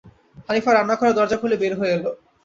হানিফা রান্নাঘরের দরজা খুলে বের হয়ে এল।